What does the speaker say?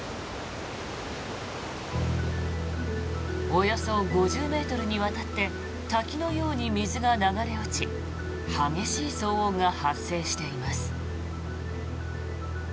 およそ５０ｍにわたって滝のように水が流れ落ち激しい騒音が発生しています。